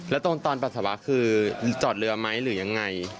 แล้วตรงตอนปัสสาวะคือจอดเรือไหมหรือยังไง